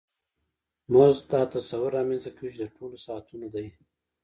مزد دا تصور رامنځته کوي چې د ټولو ساعتونو دی